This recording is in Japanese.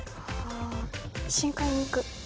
深海に行く。